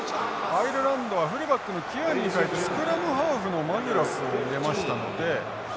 アイルランドはフルバックのキアーニに代えてスクラムハーフのマグラスを入れましたので。